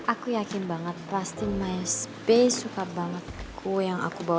aku yakin banget plastik my space suka banget gue yang aku bawa ini